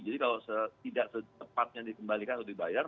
jadi kalau tidak secepatnya dikembalikan atau dibayar